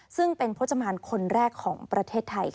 ซึ่งเป็นพจมานคนแรกของประเทศไทย